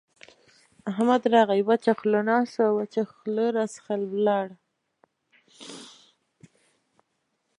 احمد راغی؛ وچه خوله ناست وو او وچه خوله راڅخه ولاړ.